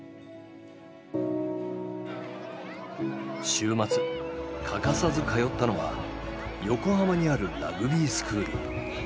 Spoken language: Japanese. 週末欠かさず通ったのは横浜にあるラグビースクール。